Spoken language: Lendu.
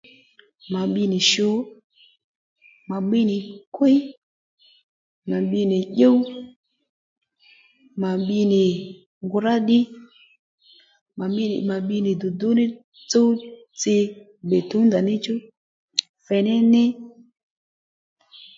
Mà bbi nì shu mà bbi nì kwíy mà bbi nì dyúw mà bbi nì ngǔrá ddí mà bbi nì mà bbi nì dùdú ní tsúw tsi túwndà níchú fèné ní